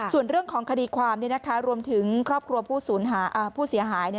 ส่วนเรื่องของคดีความรวมถึงครอบครัวผู้เสียหาย